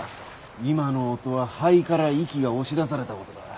今の音は肺から息が押し出された音だ。